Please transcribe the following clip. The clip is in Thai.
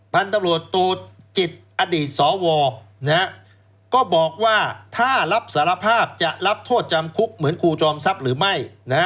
พันธุ์ตำรวจตูจิตอดีตสวก็บอกว่าถ้ารับสารภาพจะรับโทษจำคุกเหมือนครูจอมทรัพย์หรือไม่